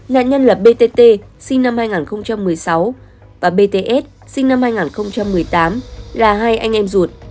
nạn nhân là btt sinh năm hai nghìn một mươi sáu và bts sinh năm hai nghìn một mươi tám là hai anh em ruột